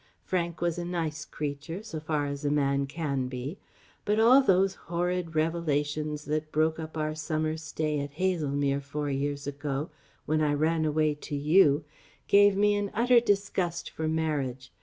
Frank was a nice creature, so far as a man can be. But all those horrid revelations that broke up our summer stay at Haslemere four years ago when I ran away to you gave me an utter disgust for marriage.